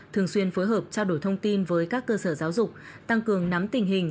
thường xuyên phối hợp trao đổi thông tin với các cơ sở giáo dục tăng cường nắm tình hình